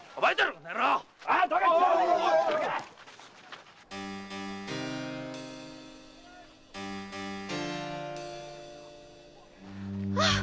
この野郎っ‼あっ！